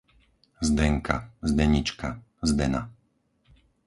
Zdenka, Zdenička, Zdena